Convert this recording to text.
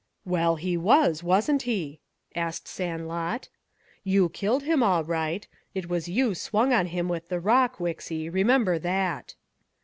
"Well, he was, wasn't he?" asked Sandlot. "You killed him all right. It was you swung on him with the rock, Wixy, remember that!"